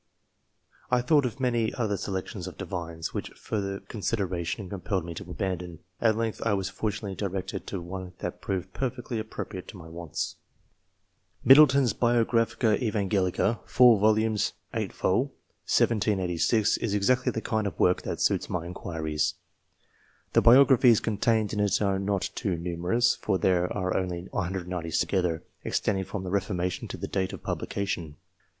I thought of many other selections of Divines, which further consideration compelled me to abandon. At length I was fortunately directed to one that proved perfectly appropriate to my wants. Middleton's " Biographia Evangelica," 4 vols. 8vo. 1786, is exactly the kind of work that suits my inquiries. The biographies contained in it are not too numerous, for there are only 196 of them altogether, extending from the Reformation to the date of publication.